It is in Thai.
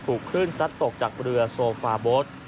ถูกขึ้นซัดตกจากเรือโซฟาบส